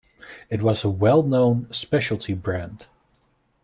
It is a well-known, specialty brand.